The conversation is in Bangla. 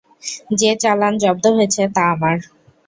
যে চালান জব্দ হয়েছে তা আমার।